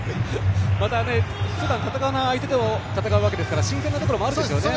ふだん戦わない相手と戦うわけですから新鮮なところもあるんですよね。